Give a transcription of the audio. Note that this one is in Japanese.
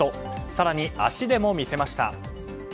更に足でも見せました！